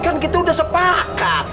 kan kita udah sepakat